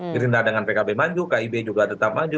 dirindah dengan pkb maju kib maju dan kppb maju